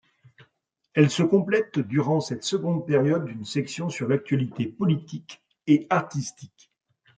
Elle se complète durant cette seconde période d'une section sur l'actualité politique et artistique.